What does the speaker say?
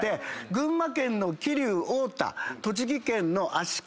群馬県の桐生太田栃木県の足利佐野。